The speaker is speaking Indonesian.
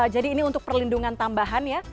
jadi ini untuk perlindungan tambahan ya